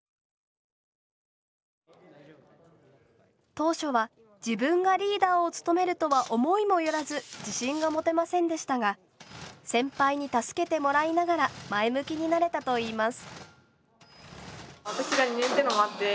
当初は自分がリーダーを務めるとは思いもよらず自信が持てませんでしたが先輩に助けてもらいながら前向きになれたといいます。